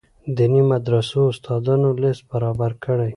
دیني مدرسو استادانو لست برابر کړي.